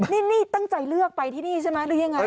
นี่ตั้งใจเลือกไปที่นี่ใช่ไหมหรือยังไง